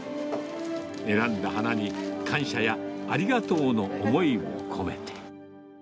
選んだ花に、感謝やありがとうの思いを込めて。